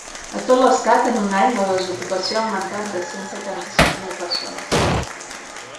A tot l’estat, en un any, la desocupació ha augmentat de cent setanta-sis mil persones.